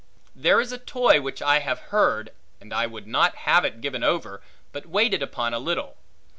There is a toy which I have heard, and I would not have it given over, but waited upon a little.